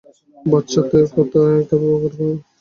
বাচ্চাদের কথা একবার ভাবো।